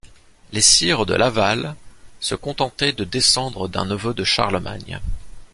Les sires de Laval, se contentaient de descendre d'un neveu de Charlemagne.